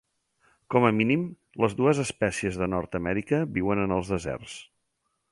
Com a mínim, les dues espècies de Nord-amèrica viuen en els deserts.